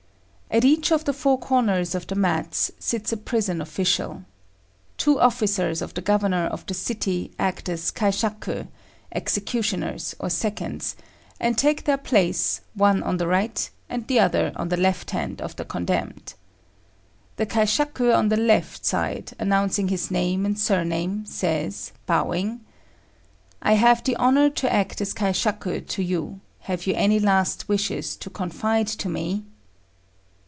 At each of the four corners of the mats sits a prison official. Two officers of the Governor of the city act as kaishaku (executioners or seconds), and take their place, one on the right hand and the other on the left hand of the condemned. The kaishaku on the left side, announcing his name and surname, says, bowing, "I have the honour to act as kaishaku to you; have you any last wishes to confide to me?"